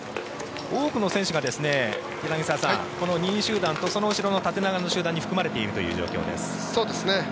多くの選手が、柳澤さんこの２位集団とその後ろの縦長の集団に含まれているという状況です。